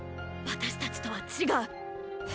私たちとは違う。